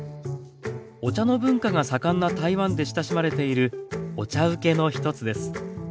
お茶の文化が盛んな台湾で親しまれているお茶うけの一つです。